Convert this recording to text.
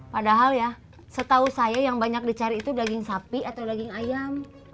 padahal ya setahu saya yang banyak dicari itu daging sapi atau daging ayam